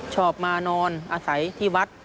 ชอบมานอนอาศัยที่วัด